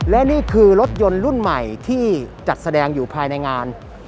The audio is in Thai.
และนี่คือรถยนต์รุ่นใหม่ที่จัดแสดงอยู่ภายในงาน